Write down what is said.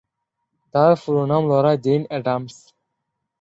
তার পুরো নাম লরা জেইন অ্যাডামস।